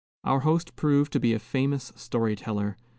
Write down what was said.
Our host proved to be a famous story teller.